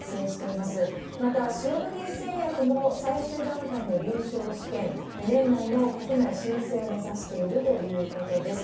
また、塩野義製薬も、最終段階の臨床試験、年内の国内申請を目指しているということです。